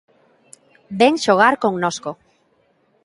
Ven xogar connosco.